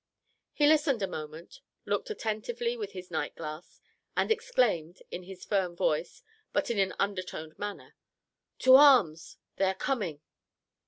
He listened a moment, looked attentively with his night glass, and exclaimed, in his firm voice, but in an undertoned manner "To arms! they are coming!"